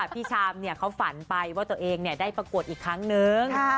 พี่ชามเขาฝันไปว่าตัวเองได้ประกวดอีกครั้งนึง